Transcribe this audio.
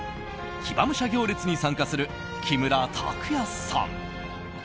騎馬武者行列に参加する木村拓哉さん。